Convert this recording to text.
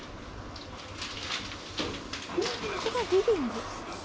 ここがリビング？